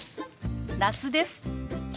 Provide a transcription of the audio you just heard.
那須です。